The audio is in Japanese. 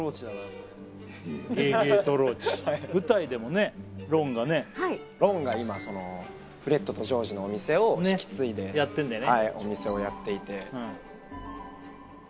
ゲーゲートローチ舞台でもねロンがねロンが今フレッドとジョージのお店を引き継いでやってんだよね